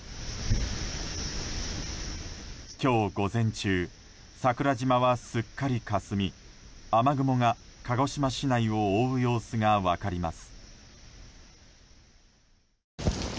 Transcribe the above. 今日午前中桜島はすっかりかすみ雨雲が鹿児島市内を覆う様子が分かります。